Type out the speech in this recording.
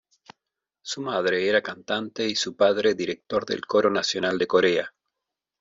Su madre era cantante y su padre director del Coro Nacional de Corea.